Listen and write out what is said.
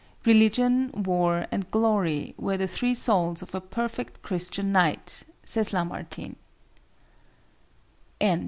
"Religion, war and glory were the three souls of a perfect Christian knight," says Lamartine.